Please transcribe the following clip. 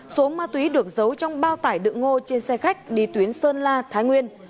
số ma túy được giấu trong bao tải đựng ngô trên xe khách đi tuyến sơn la thái nguyên